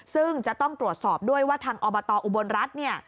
ซึ่งจะต้องตรวจสอบด้วยว่าทางอบตอุบลรัฐเนี่ย